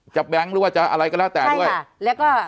แบงค์หรือว่าจะอะไรก็แล้วแต่ด้วยแล้วก็